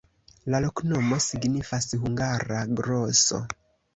La loknomo signifas: hungara-groso.